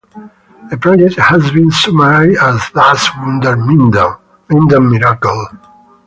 The project has been summarized as "Das Wunder Minden" (Minden Miracle).